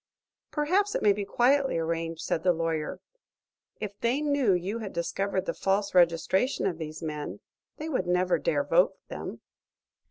"Perhaps it may be quietly arranged," said the lawyer. "If they knew you had discovered the false registration of these men, they would never dare vote them."